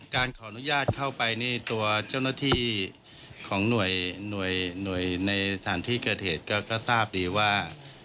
การขออนุญาตเข้าไปนี่ตัวเจ้าหน้าที่ของหน่วยในสถานที่เกิดเหตุก็ทราบดีว่า